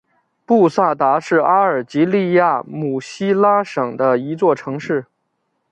布萨达是阿尔及利亚姆西拉省的一座城市。